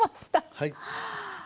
はい。